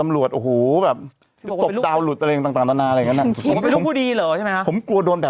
หนุ่มอ่อนแอร์ขนาดนั้นหรือ